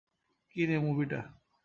কি নিয়ে মুভিটা?